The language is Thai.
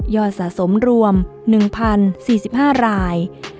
สะสมรวม๑๐๔๕ราย